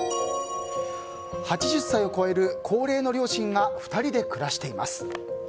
８０歳を超える高齢の両親が２人で暮らしています。